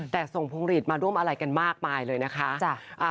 แต่ส่งพวงหลีดมาร่วมอะไรกันมากมายเลยนะคะ